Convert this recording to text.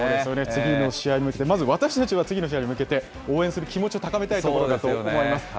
次の試合に向けて、まず私たちは次の試合に向けて、応援する気持ちを高めたいところだと思います。